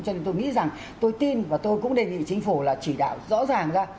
cho nên tôi nghĩ rằng tôi tin và tôi cũng đề nghị chính phủ là chỉ đạo rõ ràng ra